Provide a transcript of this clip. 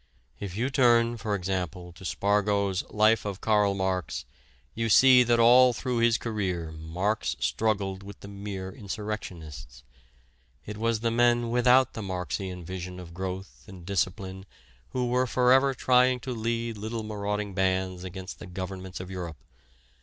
If you turn, for example, to Spargo's Life of Karl Marx you see that all through his career Marx struggled with the mere insurrectionists. It was the men without the Marxian vision of growth and discipline who were forever trying to lead little marauding bands against the governments of Europe.